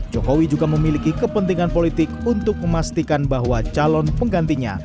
jokowi juga memiliki kepentingan politik untuk memastikan bahwa calon penggantinya